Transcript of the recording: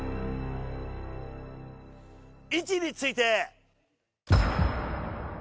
位置について。